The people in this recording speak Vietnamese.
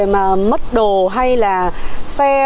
mất đồ hay là xe